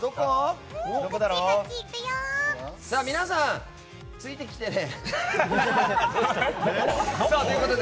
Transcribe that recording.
皆さん、ついてきてね。